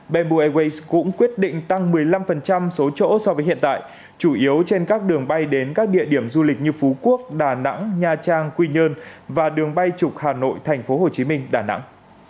bamboo airways cũng quyết định tăng một mươi năm số chỗ so với hiện tại chủ yếu trên các đường bay đến các địa điểm du lịch như phú quốc đà nẵng nha trang quy nhơn và đường bay trục hà nội tp hcm đà nẵng